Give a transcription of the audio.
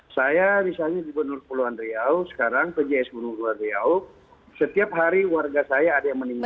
saya misalnya di benur kulon riau sekarang pjs benur kulon riau setiap hari warga saya ada yang meninggal